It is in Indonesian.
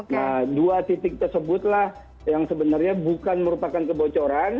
nah dua titik tersebutlah yang sebenarnya bukan merupakan kebocoran